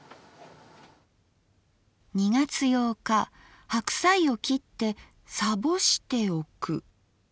「２月８日白菜を切ってさぼしておく。